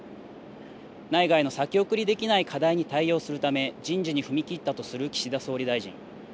内外の先送りできない課題に対応するため人事に踏み切ったとする岸田総理大臣。